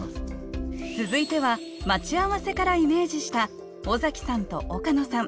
続いては「待ち合わせ」からイメージした尾崎さんと岡野さん